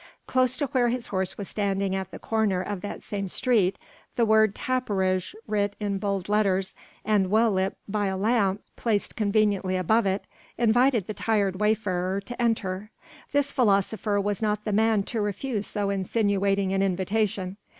Close to where his horse was standing at the corner of that same street the word "Tapperij" writ in bold letters and well lit by a lamp placed conveniently above it, invited the tired wayfarer to enter. This philosopher was not the man to refuse so insinuating an invitation.